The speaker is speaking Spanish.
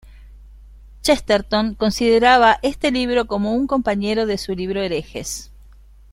Chesterton consideraba este libro como un compañero de su libro "Herejes".